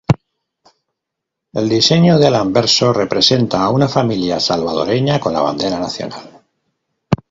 El diseño del anverso representa a una familia salvadoreña con la bandera nacional.